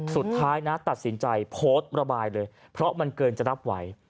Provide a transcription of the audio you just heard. สุดท้ายนะตัดสินใจโพสต์ระบายเลยเพราะมันเกินจะรับไหว